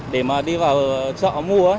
để mà đi vào chợ mua